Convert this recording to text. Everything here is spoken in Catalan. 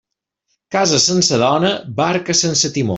Casa sense dona, barca sense timó.